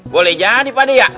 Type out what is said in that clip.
boleh jadi pak de ya